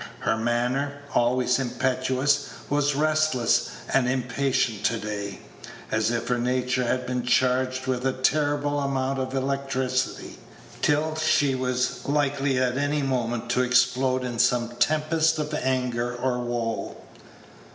Her manner, always impetuous, was restless and impatient to day, as if her nature had been charged with a terrible amount of electricity, till she were likely at any moment to explode in some tempest of anger or woe.